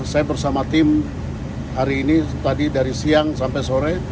saya bersama tim hari ini tadi dari siang sampai sore